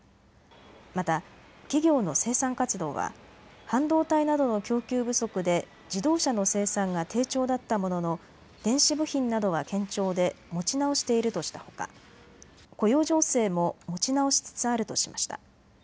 また企業の生産活動は半導体などの供給不足で自動車の生産が低調だったものの電子部品などは堅調で持ち直しているとしたほか雇用情勢も持ち直しつつあるとしました。